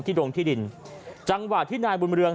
ดงที่ดินจังหวะที่นายบุญเรือง